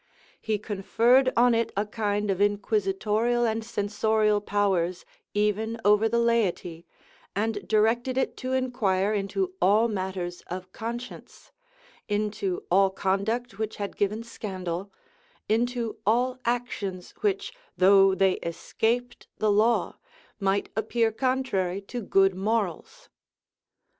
He conferred on it a kind of inquisitorial and censorial powers even over the laity, and directed it to inquire into all matters of conscience; into all conduct which had given scandal; into all actions which, though they escaped the law, might appear contrary to good morals.